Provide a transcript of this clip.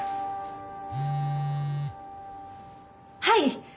はい。